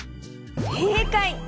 せいかい！